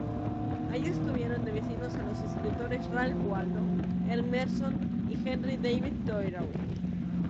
Allí tuvieron de vecinos a los escritores Ralph Waldo Emerson y Henry David Thoreau.